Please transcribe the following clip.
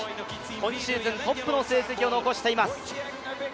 今シーズントップの成績を残しています。